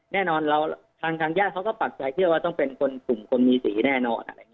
แน่นอนทางย่าเขาก็ปักใจเชื่อว่าต้องเป็นคนขุมคนมีสีแน่นอน